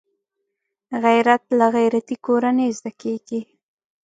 غیرت له غیرتي کورنۍ زده کېږي